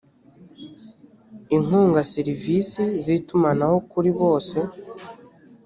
inkunga serivisi z itumanaho kuri bose